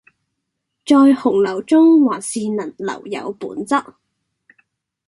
在洪流中還是能留有本質